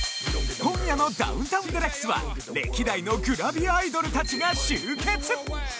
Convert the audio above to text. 今夜の『ダウンタウンＤＸ』は歴代のグラビアアイドルたちが集結！